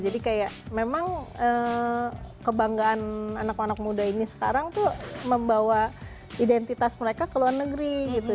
jadi kayak memang kebanggaan anak anak muda ini sekarang tuh membawa identitas mereka ke luar negeri gitu